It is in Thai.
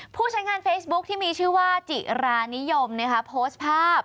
ผู้ใช้งานเฟซบุ๊คที่มีชื่อว่าจิรานิยมโพสต์ภาพ